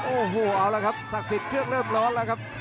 โอ้โหเอาละครับศักดิ์สิทธิ์เครื่องเริ่มร้อนแล้วครับ